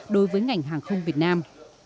đối với ngành hàng không việt nam